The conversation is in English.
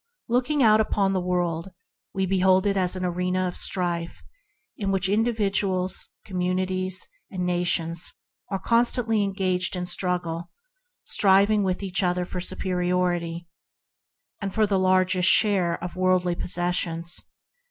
Looking out upon the world, we behold it as an arena of strife in which individuals, communities, and nations are constantly engaged in struggle, striving with each other for superiority and for the largest share of worldly possessions.